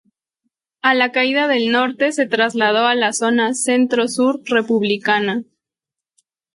A la caída del Norte se trasladó a la zona centro-sur republicana.